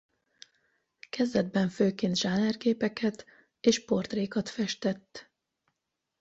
Kezdetben főként zsánerképeket és portrékat festett.